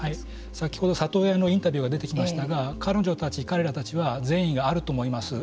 先ほど里親のインタビューが出てきましたが彼女たち、彼らたちには善意があると思います。